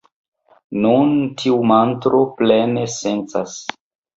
Nun, tiu mantro plene sencas.